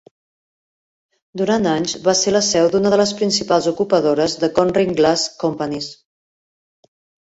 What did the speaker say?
Durant anys va ser la seu d'una de les principals ocupadores de Conring Glass Companies.